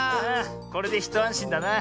これでひとあんしんだな。